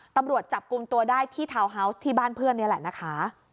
ตำรวจจับกลุ่มตัวได้ที่ทาวน์ฮาวส์ที่บ้านเพื่อนนี่แหละนะคะ